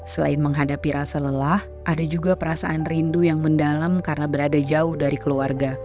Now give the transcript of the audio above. selain menghadapi rasa lelah ada juga perasaan rindu yang mendalam karena berada jauh dari keluarga